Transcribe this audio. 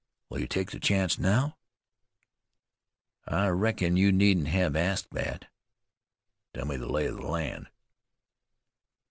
"Will you take the chance now?" "I reckon you needn't hev asked thet." "Tell me the lay of the land."